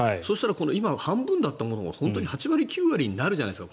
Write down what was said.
今、半分だったものをその時８割９割になるじゃないですか。